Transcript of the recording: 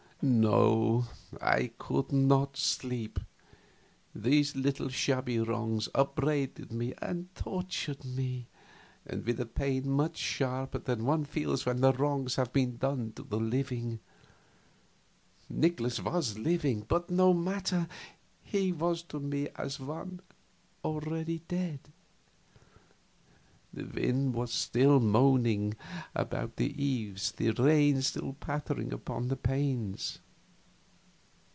No, I could not sleep. These little, shabby wrongs upbraided me and tortured me, and with a pain much sharper than one feels when the wrongs have been done to the living. Nikolaus was living, but no matter; he was to me as one already dead. The wind was still moaning about the eaves, the rain still pattering upon the panes.